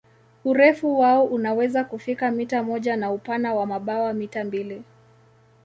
Urefu wao unaweza kufika mita moja na upana wa mabawa mita mbili.